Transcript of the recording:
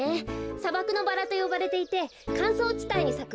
さばくのバラとよばれていてかんそうちたいにさく。